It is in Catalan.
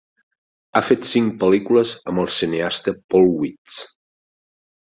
Ha fet cinc pel·lícules amb el cineasta Paul Weitz.